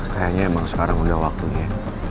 kayaknya emang sekarang udah waktunya